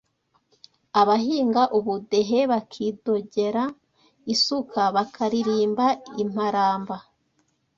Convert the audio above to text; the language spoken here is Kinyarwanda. Abahinga ubudehe bakidogera isuka bakaririmba imparamba